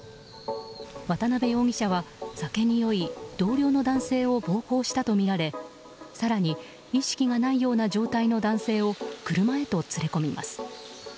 渡辺容疑者は酒に酔い同僚の男性を暴行したとみられ更に意識がないような状態の男性を車へと連れ込みます。